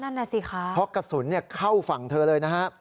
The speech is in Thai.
นั่นน่ะสิคะเพราะกระสุนเข้าฝั่งเธอเลยนะฮะ